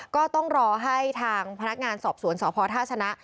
ก็ต้องรอให้ทางพนักงานสอบสวนสพท่าชนะ